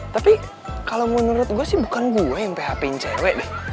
tapi kalau menurut gue sih bukan gue yang php in cewek deh